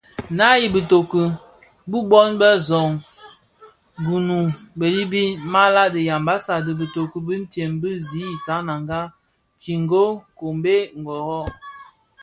Naa i bitoki bi bon bë Zöň (Gounou, Belibi, malah) di yambassa dhi bitoki bitsem bi zi isananga: Tsingo, kombe, Ngorro,